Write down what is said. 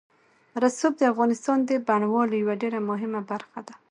رسوب د افغانستان د بڼوالۍ یوه ډېره مهمه برخه ده.